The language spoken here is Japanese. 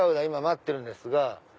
今待ってるんですが。